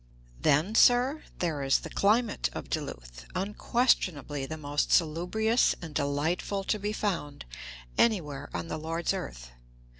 Then, sir, there is the climate of Duluth, unquestionably the most salubrious and delightful to be found anywhere on the Lord's earth.